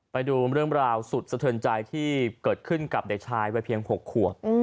ไปดูเรื่องราวสุดสะเทินใจที่เกิดขึ้นกับเด็กชายวัยเพียง๖ขวบ